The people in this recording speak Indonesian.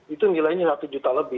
itu nilainya satu juta lebih